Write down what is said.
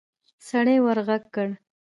سړي ورغږ کړ.